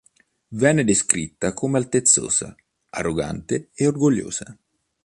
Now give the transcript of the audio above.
Venne descritta come altezzosa, arrogante e orgogliosa.